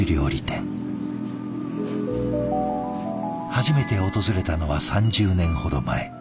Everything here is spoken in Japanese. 初めて訪れたのは３０年ほど前。